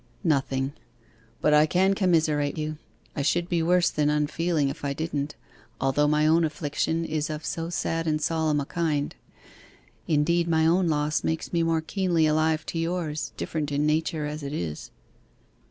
'Nothing; but I can commiserate you. I should be worse than unfeeling if I didn't, although my own affliction is of so sad and solemn a kind. Indeed my own loss makes me more keenly alive to yours, different in nature as it is.